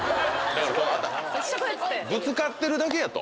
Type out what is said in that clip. ぶつかってるだけやと。